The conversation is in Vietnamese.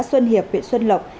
xuân hiệp huyện xuân lộc